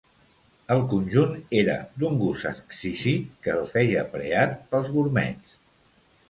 El conjunt era d'un gust exquisit que el feia preat pels gurmets.